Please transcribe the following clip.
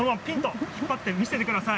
引っ張ってで見せてください。